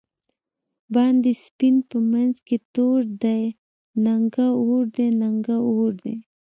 باندی سپین په منځ کی تور دۍ، نگه اور دی نگه اور دی